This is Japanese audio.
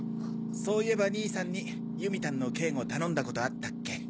そういえば兄さんに由美タンの警護頼んだことあったっけ。